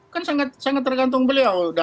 kan sangat tergantung beliau